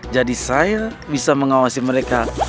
jadi saya bisa mengawasi mereka